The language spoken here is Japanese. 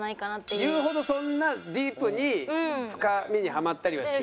言うほどそんなディープに深みにはまったりはしない？